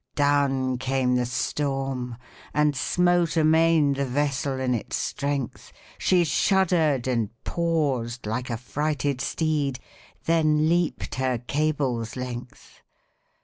Down came the storm, and smote amain The vessel in its strength; She shudder'd and paused, like a frighted steed, Then leap'd her cable's length.